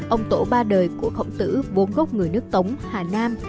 ông tổ ba đời của khổng tử bốn gốc người nước tống hà nam